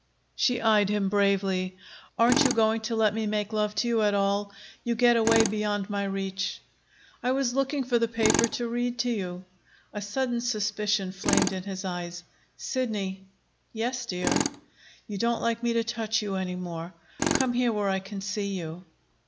She eyed him bravely. "Aren't you going to let me make love to you at all? You get away beyond my reach." "I was looking for the paper to read to you." A sudden suspicion flamed in his eyes. "Sidney." "Yes, dear." "You don't like me to touch you any more. Come here where I can see you."